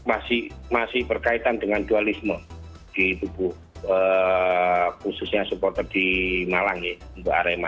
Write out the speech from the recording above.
masih berkaitan dengan dualisme di tubuh khususnya supporter di malang untuk arema